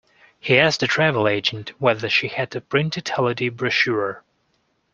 He asked the travel agent whether she had a printed holiday brochure